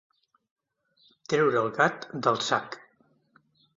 Treure el gat del sac.